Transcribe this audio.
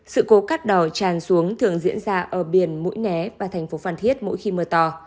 sự cố cắt đỏ tràn xuống thường diễn ra ở biển mũi né và thành phố phan thiết mỗi khi mưa to